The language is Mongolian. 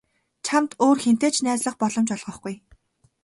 Чамд өөр хэнтэй ч найзлах боломж олгохгүй.